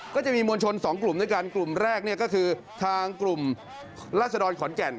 ก็จะมีมวลชน๒กลุ่มด้วยกันกลุ่มแรกเนี่ยก็คือทางกลุ่มราศดรขอนแก่น